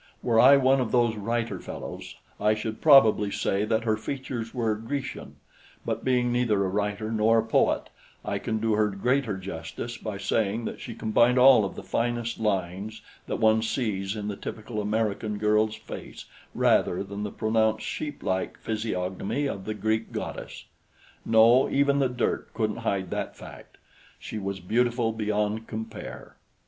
Were I one of these writer fellows, I should probably say that her features were Grecian, but being neither a writer nor a poet I can do her greater justice by saying that she combined all of the finest lines that one sees in the typical American girl's face rather than the pronounced sheeplike physiognomy of the Greek goddess. No, even the dirt couldn't hide that fact; she was beautiful beyond compare.